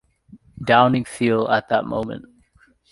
Downing feel at that moment.